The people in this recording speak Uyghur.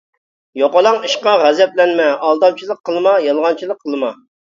يوقىلاڭ ئىشقا غەزەپلەنمە، ئالدامچىلىق قىلما، يالغانچىلىق قىلما.